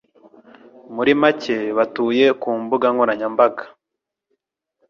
Muri make batuye ku mbuga nkoranyambaga